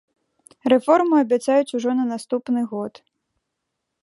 Рэформу абяцаюць ужо на наступны год.